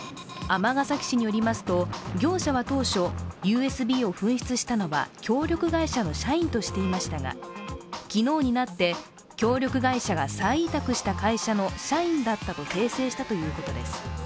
尼崎市によりますと業者は当初、ＵＳＢを紛失したのは協力会社の社員としていましたが、昨日になって、協力会社が再委託した会社の社員だったと訂正したということです。